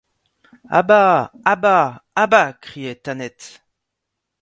À bas! à bas ! à bas ! criait Thanet.